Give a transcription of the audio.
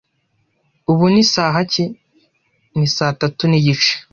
"Ubu ni isaha ki?" "Ni saa tatu n'igice."